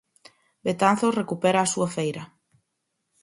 Betanzos recupera a súa feira.